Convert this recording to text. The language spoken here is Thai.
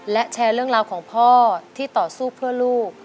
และแชร์เรื่องราวของพ่อที่ต่อสู้เพื่อลูก